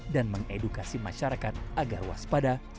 dan mengedukasi masyarakat agar waspada